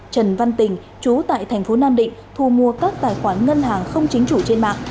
trần văn tình chú tại thành phố nam định thu mua các tài khoản ngân hàng không chính chủ trên mạng